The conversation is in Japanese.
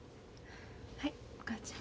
はいお母ちゃん。